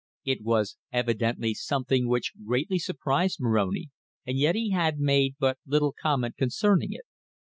It was evidently something which greatly surprised Moroni, and yet he had made but little comment concerning it.